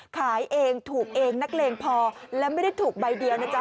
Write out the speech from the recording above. ขายเองถูกเองนักเลงพอและไม่ได้ถูกใบเดียวนะจ๊